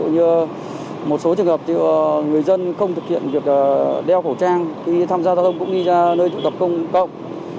như một số trường hợp người dân không thực hiện việc đeo khẩu trang khi tham gia giao thông cũng như ra nơi trụ tập công cộng